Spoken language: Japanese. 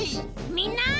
みんな。